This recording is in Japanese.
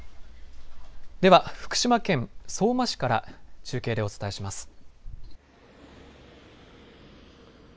では福島県相馬市から中継でお伝えします。